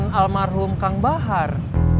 dan almarhum kang bahar